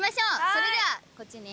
それではこっちに。